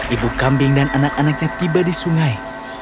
ibu kambing dan anak anaknya tiba di sungai